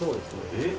えっ？